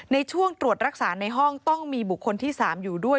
ในช่วงตรวจรักษาในห้องต้องมีบุคคลที่๓อยู่ด้วย